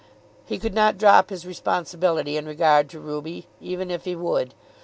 He could not drop his responsibility in regard to Ruby, even if he would.